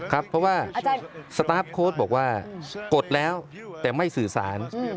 ครับเพราะว่าสตาร์ฟโค้ดบอกว่ากดแล้วแต่ไม่สื่อสาร